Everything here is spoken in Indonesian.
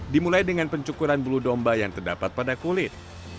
dimulai dengan pencukuran bulu domba yang terdapat pada kulit